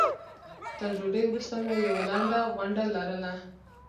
تر ډوډۍ وروسته مو یوه لنډه غونډه لرله.